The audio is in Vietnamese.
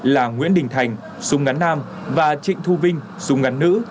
là nguyễn đình thành súng ngắn nam và trịnh thu vinh súng ngắn nữ